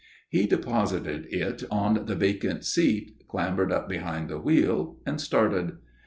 He deposited it on the vacant seat, clambered up behind the wheel, and started.